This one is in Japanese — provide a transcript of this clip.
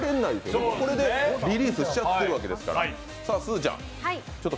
これでリリースしちゃっているわけですから。